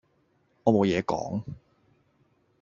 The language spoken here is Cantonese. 我冇野講